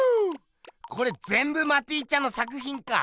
これぜんぶマティちゃんの作ひんか！